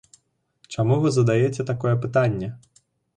Чаму вы задаяце такое пытанне?